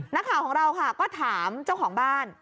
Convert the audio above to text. นักข่าวของเราค่ะก็ถามเจ้าของบ้าน